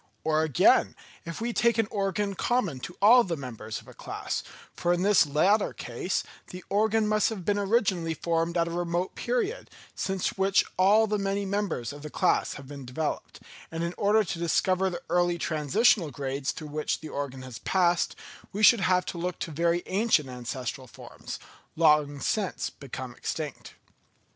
Or again, if we take an organ common to all the members of a class, for in this latter case the organ must have been originally formed at a remote period, since which all the many members of the class have been developed; and in order to discover the early transitional grades through which the organ has passed, we should have to look to very ancient ancestral forms, long since become extinct.